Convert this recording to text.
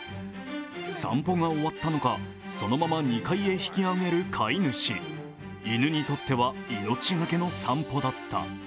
散歩が終わったのか、そのまま２階へ引き揚げる飼い主、犬にとっては命がけの散歩だった。